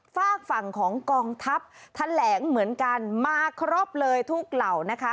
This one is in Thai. ฝากฝั่งของกองทัพแถลงเหมือนกันมาครบเลยทุกเหล่านะคะ